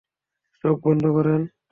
চোখ বন্ধ করেন।